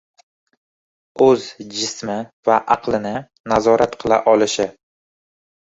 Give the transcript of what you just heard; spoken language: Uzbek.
O‘z jismi va aqlini nazorat qila olishi.